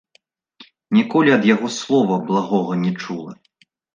Ніколі ад яго слова благога не чула.